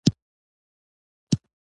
بله ورځ هغه په خپل ټولګي کې ناست و.